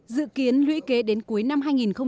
dự kiến lũy kế đến cuối năm hai nghìn hai mươi